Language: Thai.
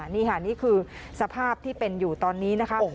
นี่ค่ะนี่คือสภาพที่เป็นอยู่ตอนนี้นะคะ